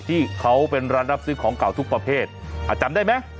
ที่เขาเป็นร้านรับซื้อของเก่าทุกประเภทจำได้ไหม